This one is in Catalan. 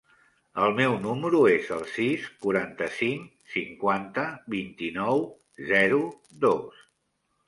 El meu número es el sis, quaranta-cinc, cinquanta, vint-i-nou, zero, dos.